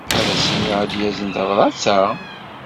Ad as-iniɣ ad yazen tabṛat-a?